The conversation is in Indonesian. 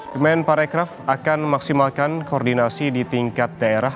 kemen parekraf akan maksimalkan koordinasi di tingkat daerah